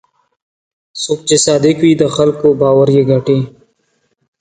څوک چې صادق وي، د خلکو باور یې ګټي.